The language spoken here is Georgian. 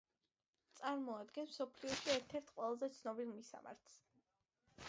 წარმოადგენს მსოფლიოში ერთ-ერთ ყველაზე ცნობილ მისამართს.